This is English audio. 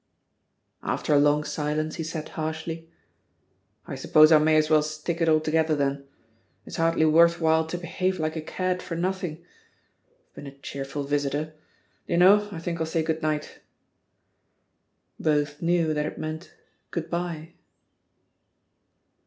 '* After a long silence, he said harshly: "I suppose I may as well stick it altogether, then. It's hardly worth while to behave like a cad for nothing. ... I've been a cheerful vis itor! Do you know, I think I'll say *good night,' " Both knew that it meant "good bye."